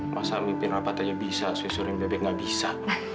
masa mimpin rapat aja bisa saya sering bebek nggak bisa